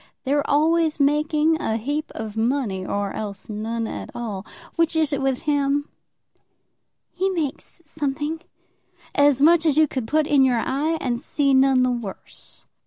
They're always making a heap of money, or else none at all. Which is it with him?" "He makes something." "As much as you could put in your eye and see none the worse."